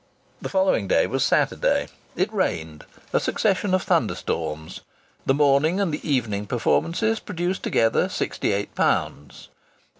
The following day was Saturday. It rained a succession of thunderstorms. The morning and the evening performances produced together sixty eight pounds.